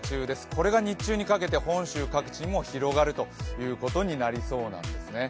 これが日中にかけて本州各地にも広がることになりそうなんですね。